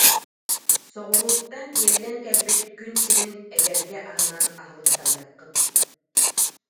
Соҕурууттан тиэллэн кэлбит күн сирин эгэлгэ аһынан аһылыктаныаххыт